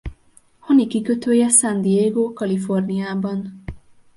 Honi kikötője San Diego Kaliforniában.